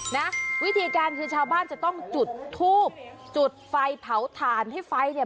นะวิธีการคือชาวบ้านจะต้องจุดทูบจุดไฟเผาถ่านให้ไฟเนี่ย